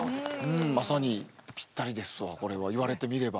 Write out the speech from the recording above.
まさにぴったりですわこれは言われてみれば。